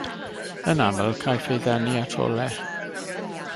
Yn aml, caiff ei ddenu at olau.